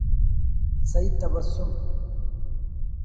سعید تبسم